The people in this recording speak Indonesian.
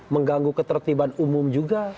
mengganggu ketertiban umum juga